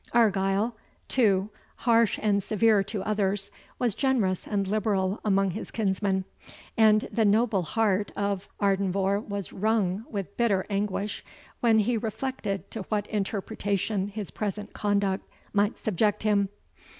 Argyle, too, harsh and severe to others, was generous and liberal among his kinsmen, and the noble heart of, Ardenvohr was wrung with bitter anguish, when he reflected to what interpretation his present conduct might subject him.